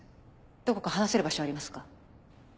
どこか話せる場所はありますか？